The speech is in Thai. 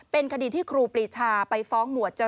เป็นคดีที่ครูปรีชาไปฟ้องหมวดจ